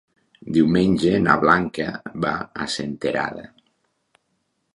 Diumenge na Blanca va a Senterada.